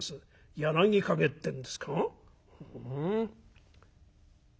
『柳陰』ってんですか？ふん」。